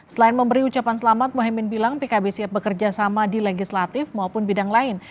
selain memberi ucapan selamat mohaimin bilang pkb siap bekerja sama di legislatif maupun bidang lain